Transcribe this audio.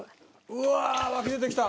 うわ湧き出てきた！